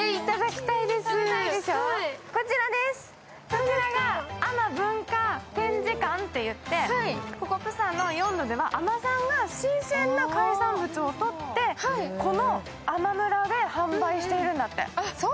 こちらが海女文化展示館といってプサンでは海女さんが新鮮な海産物を採ってこの海女村で販売しているんだって。